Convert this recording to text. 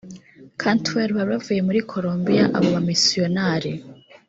cantwell bari bavuye muri kolombiya abo bamisiyonari